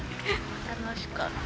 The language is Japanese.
楽しかった。